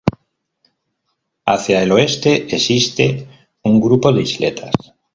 Hacia el oeste existe un grupo de isletas.